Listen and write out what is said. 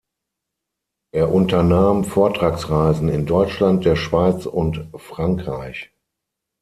Er unternahm Vortragsreisen in Deutschland, der Schweiz und Frankreich.